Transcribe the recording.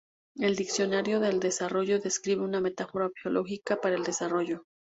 El "Diccionario del Desarrollo" describe una metáfora biológica para el desarrollo.